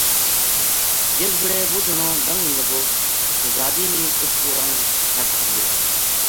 جِس بڑے وہ جنو لنگن لگو شہزادی نے اُس پو رنگ سَٹ چھڑیو